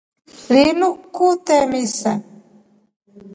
Linu kutee misa.